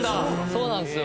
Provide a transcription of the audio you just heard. そうなんですよ。